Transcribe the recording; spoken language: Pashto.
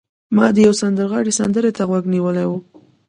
ما د یو سندرغاړي سندرې ته غوږ نیولی و